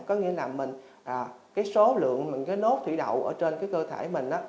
có nghĩa là số lượng nốt thủy đậu ở trên cơ thể mình á